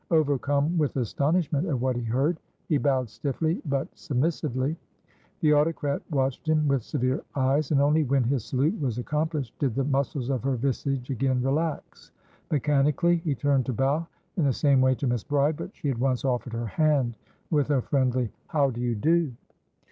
Overcome with astonishment at what he heard, he bowed stiffly, but submissively. The autocrat watched him with severe eyes, and only when his salute was accomplished did the muscles of her visage again relax. Mechanically, he turned to bow in the same way to Miss Bride, but she at once offered her hand with a friendly, "How do you do?"